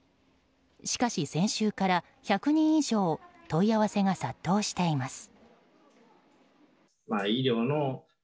しかし、先週から１００人以上問い合わせが殺到しています。